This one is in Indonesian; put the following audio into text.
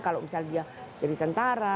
kalau misalnya dia jadi tentara